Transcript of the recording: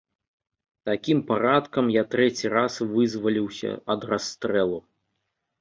Такім парадкам я трэці раз вызваліўся ад расстрэлу.